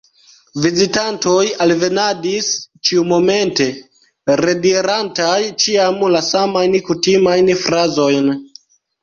Vizitantoj alvenadis ĉiumomente, redirantaj ĉiam la samajn kutimajn frazojn.